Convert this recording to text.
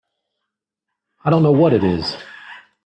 I don't know what it is.